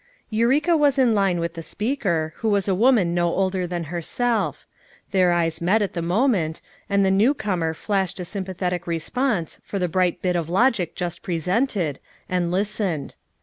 Eureka was in line with the speaker, who was a woman no older than herself. Their eyes met at the moment, and the new comer flashed a sympathetic response for the bright bit 'of logic just presented, and listened.